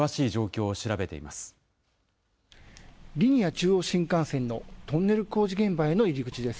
中央新幹線のトンネル工事現場への入り口です。